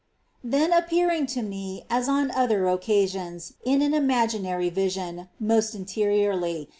20. Then appearing to me, as on other occasions, beSoSal. i^ ^^ imaginary vision, most interiorly.